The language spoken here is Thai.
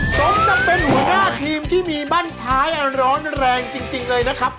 สมกับเป็นหัวหน้าทีมที่มีบ้านท้ายร้อนแรงจริงเลยนะครับ